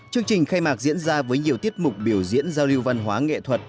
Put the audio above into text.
chương trình khai mạc diễn ra với nhiều tiết mục biểu diễn giao lưu văn hóa nghệ thuật